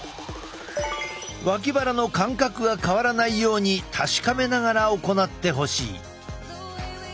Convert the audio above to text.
脇腹の間隔が変わらないように確かめながら行ってほしい。